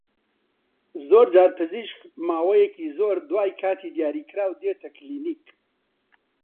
زۆرجار پزیشک ماوەیەکی زۆر دوای کاتی دیاریکراو دێتە کلینیک